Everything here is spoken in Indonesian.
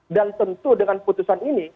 dan tentu dengan putusan ini